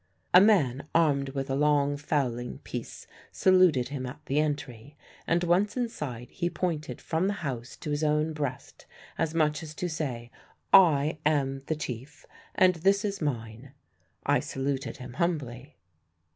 A man armed with a long fowling piece saluted him at the entry; and once inside he pointed from the house to his own breast, as much as to say, 'I am the Chief, and this is mine.' I saluted him humbly.